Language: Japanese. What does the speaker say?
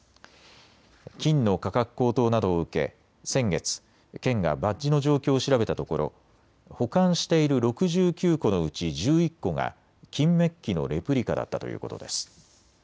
金の価格高騰などを受け先月、県がバッジの状況を調べたところ保管している６９個のうち１１個が金メッキのレプリカだったということです。